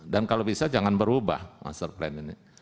dan kalau bisa jangan berubah master plan ini